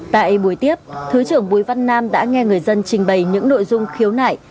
tại buổi tiếp thứ trưởng bùi văn nam đã nghe người dân trình bày những nội dung khiếu nại